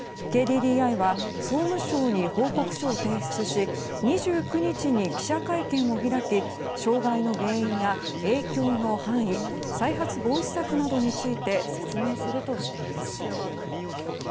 ＫＤＤＩは総務省に報告書を提出し２９日に記者会見を開き障害の原因や影響の範囲再発防止策などについて説明するとしています。